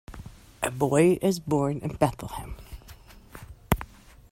A boy is born in Bethlehem.